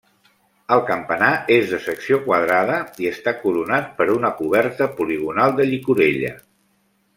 El campanar és de secció quadrada i està coronat per una coberta poligonal de llicorella.